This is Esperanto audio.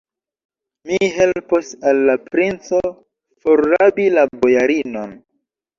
Mi helpos al la princo forrabi la bojarinon.